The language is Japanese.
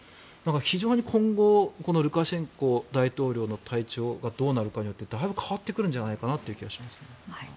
非常に今後ルカシェンコ大統領の体調がどうなるかによってだいぶ変わってくるんじゃないかという気がします。